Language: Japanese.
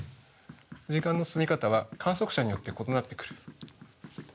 時間の進み方は観測者によって異なってくる。